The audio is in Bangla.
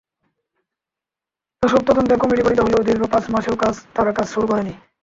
এসব তদন্তে কমিটি গঠিত হলেও দীর্ঘ পাঁচ মাসেও তারা কাজ শুরু করেনি।